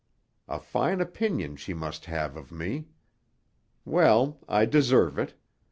A fine opinion she must have of me! Well, I deserve it.